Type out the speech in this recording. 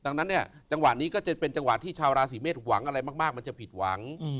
ดังนั้นเนี่ยจังหวะนี้ก็จะเป็นจังหวะที่ชาวราศีเมษหวังอะไรมากมันจะผิดหวัง